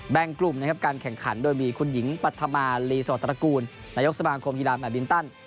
แบ่งกลุ่มนะครับการแข่งขันโดยมีคุณหญิงปัฒนาลีสวทรกูลนายกสมาคมธีราบแบบบินตัน